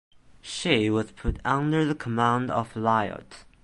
She was put under the command of Lieut.